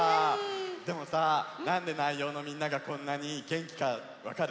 でもさなんで南陽のみんながこんなにげんきかわかる？